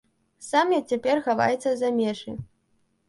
Сам ён цяпер хаваецца ў замежжы.